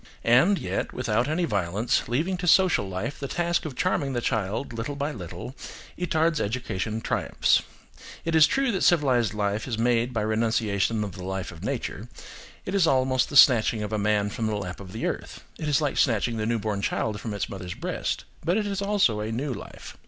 And, yet, without any violence, leaving to social life the task of charming the child little by little, Itard's education triumphs. It is true that civilised life is made by renunciation of the life of nature; it is almost the snatching of a man from the lap of earth; it is like snatching the newborn child from its mother's breast; but it is also a new life.